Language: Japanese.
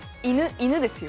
犬ですよ。